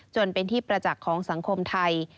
จนเป็นที่ประจักษ์ของสังคมไทย